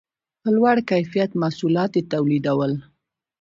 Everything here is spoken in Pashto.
په لوړ کیفیت محصولات یې تولیدول.